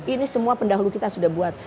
ini semua pendahulu kita sudah buat